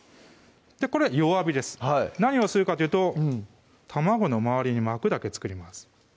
これは弱火です何をするかというと卵の周りに膜だけ作ります